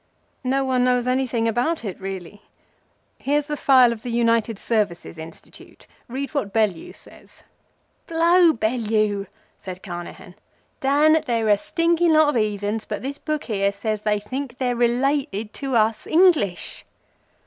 "No one knows anything about it really. Here's the file of the United Services' Institute. Read what Bellew says." "Blow Bellew!" said Carnehan. "Dan, they're an all fired lot of heathens, but this book here says they think they're related to us English."